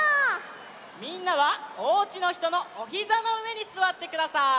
みんなはおうちのひとのおひざのうえにすわってください。